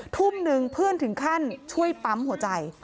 ทุ่มหนึ่งเพื่อนถึงขั้นช่วยปั๊มหัวใจ